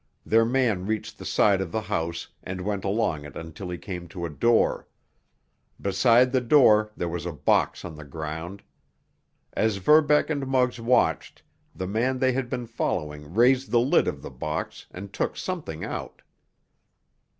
Their man reached the side of the house and went along it until he came to a door. Beside the door there was a box on the ground. As Verbeck and Muggs watched, the man they had been following raised the lid of the box and took something out.